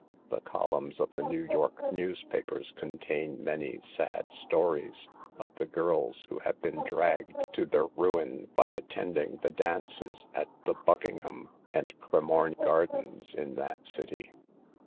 The columns of the New York newspapers contain many sad stories of the girls who have been dragged to THE EVILS OF DANCIKGL 107 their ruin by attending the dances at the Buckingham and Cremorne Gardens in that city.